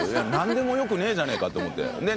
何でもよくねえじゃねえかと思って。